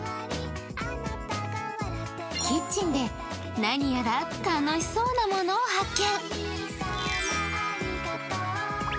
キッチンで何やら楽しそうなものを発見。